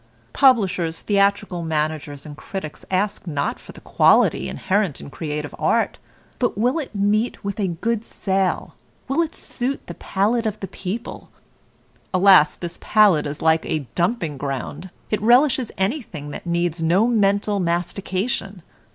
Publishers, theatrical managers, and critics ask not for the quality inherent in creative art, but will it meet with a good sale, will it suit the palate of the people? Alas, this palate is like a dumping ground; it relishes anything that needs no mental mastication.